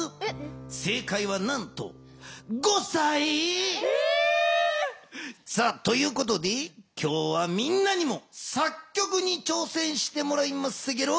せいかいはなんとということで今日はみんなにも作曲にちょうせんしてもらいますゲロ。